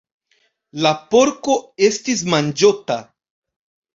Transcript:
La porko estis manĝota.